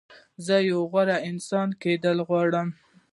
زه یو غوره انسان کېدل غواړم.